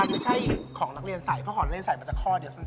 อันนี้ไม่ใช่ของนักเรียนใสเพราะของนักเรียนใสจะคลอเดียวสั้น